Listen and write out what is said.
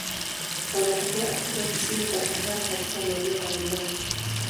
Wanatokea Afrika kusini kwa Sahara katika maeneo mbalimbali.